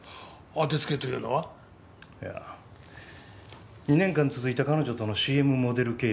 いや２年間続いた彼女とのＣＭモデル契約